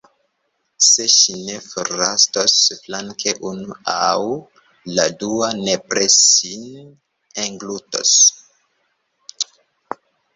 Se ŝi ne forsaltos flanken, unu aŭ la dua nepre ŝin englutos.